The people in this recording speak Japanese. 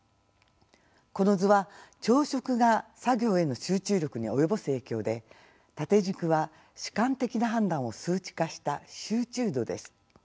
この図は朝食が作業への集中力に及ぼす影響で縦軸は主観的な判断を数値化した集中度です。